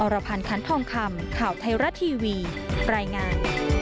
รพันธ์คันทองคำข่าวไทยรัฐทีวีรายงาน